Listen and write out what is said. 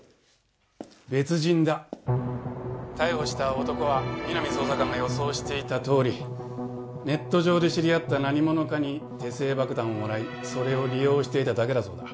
別人だ逮捕した男は皆実捜査官が予想していたとおりネット上で知り合った何者かに手製爆弾をもらいそれを利用していただけだそうだ